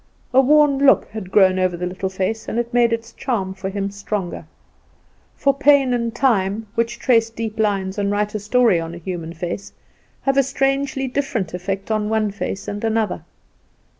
A worn look had grown over the little face, and it made its charm for him stronger. For pain and time, which trace deep lines and write a story on a human face, have a strangely different effect on one face and another.